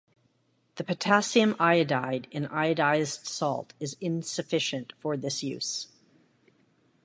The potassium iodide in iodized salt is insufficient for this use.